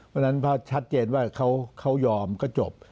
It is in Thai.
เพราะฉะนั้นพอชัดเจนว่าเขายอมก็จบ